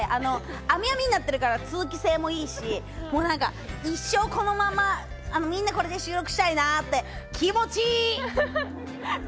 網網になっているから通気性もいいし、一生このまま、みんなこれで収録したいなって、気持ち良い。